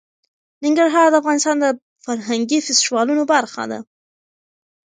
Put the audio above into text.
ننګرهار د افغانستان د فرهنګي فستیوالونو برخه ده.